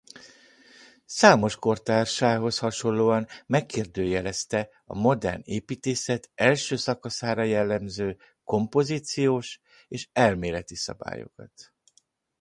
Számos kortársához hasonlóan megkérdőjelezte a modern építészet első szakaszára jellemző kompozíciós és elméleti szabályokat.